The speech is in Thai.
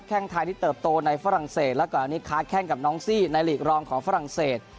แค่งไทยที่เติบโตในฝรั่งเศสแล้วก่อนอันนี้ค้าแข้งกับน้องซี่ในหลีกรองของฝรั่งเศส